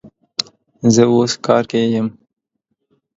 زه اوس کار کی یم